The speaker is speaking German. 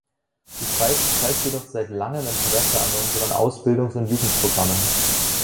Die Schweiz zeigt jedoch seit langem Interesse an unseren Ausbildungs- und Jugendprogrammen.